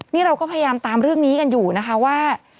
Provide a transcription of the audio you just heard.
นี่เราก็พยายามตามเรื่องนี้กันอยู่นะคะว่า